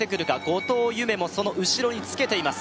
後藤夢もその後ろにつけています